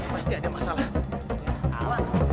pasti ada masalah